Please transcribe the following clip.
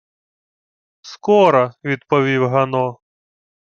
— Скора, — відповів Гано.